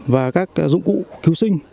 và các dụng cụ cứu sinh